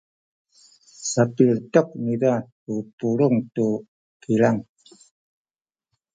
sapiletek niza ku pulung tu kilang.